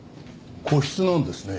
個室なんですね。